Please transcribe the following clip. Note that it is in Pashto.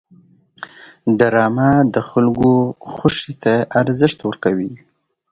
ډرامه د خلکو خوښې ته ارزښت ورکوي